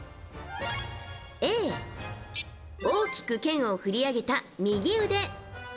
Ａ、大きく剣を振り上げた右腕。